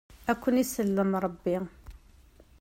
Ad ken-isellem Rebbi.